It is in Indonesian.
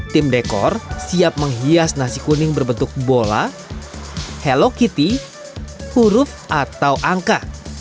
tim dekor siap menghias nasi kuning berbentuk bola hello kitty huruf atau angka